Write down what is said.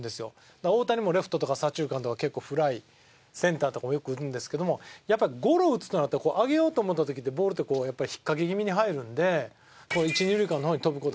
だから大谷もレフトとか左中間とか結構フライセンターとかもよく打つんですけどもやっぱりゴロを打つとなると上げようと思った時ってボールってやっぱり引っかけ気味に入るんで一二塁間の方に飛ぶ事がある。